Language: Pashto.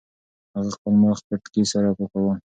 هغه خپل مخ پټکي سره پاکاوه.